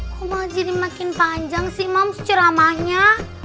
kok mahjidi makin panjang sih mam ceramahnya